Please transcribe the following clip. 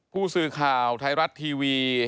ผู้สื่อข่าวไทยรัฐทีวี